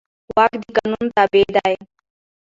واک د قانون تابع دی.